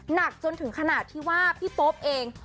หนักจนถึงขนาดที่ว่าพี่โป๊ปเอง